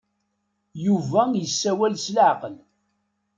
Yuba yessawal s leɛqel.